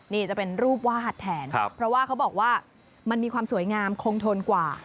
นี่จะเป็นรูปวาดแทนเพราะว่าเขาบอกว่ามันมีความสวยงามคงทนกว่า